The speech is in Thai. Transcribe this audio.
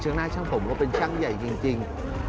หน้าช่างผมก็เป็นช่างใหญ่จริง